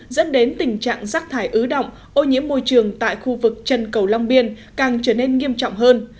dẫn đến tình trạng rác thải ứ động ô nhiễm môi trường tại khu vực trần cầu long biên càng trở nên nghiêm trọng hơn